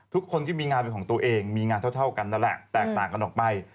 ทุกคนที่มีงานเป็นของตัวเองมีงานเท่ากันนั่นแหละแตกต่างกันออกไป